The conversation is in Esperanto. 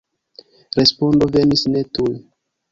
Respondo venis ne tuj.